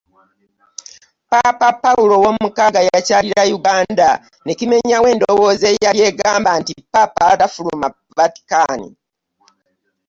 Paapa Paulo VI yakyalira Yuganda, ne kimenyawo endowooza eyali egamba nti Paapa tafuluma Vatican.